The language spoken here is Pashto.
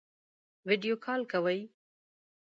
ویډیو کال کوئ؟